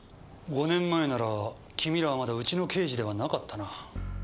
５年前なら君らはまだうちの刑事ではなかったな。